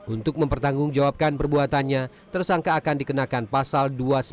untuk mempertanggungjawabkan perbuatannya tersangka akan dikenakan pasal dua